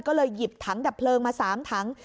ก็เลยหยิบถังดับเพลิงมา๓ถัง